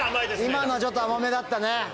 今のちょっと甘めだったね。